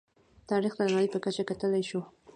تاریخ د نړۍ په کچه کتلی شو.